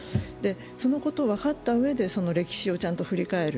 そのことを分かったうえで歴史をちゃんと振り返る。